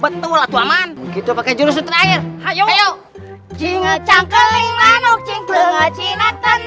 yang lain betul atau aman begitu pakai jurus terakhir hayo jingetan kelima nojeng kecil